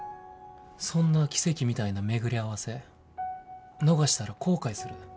そんな奇跡みたいな巡り合わせ逃したら後悔する。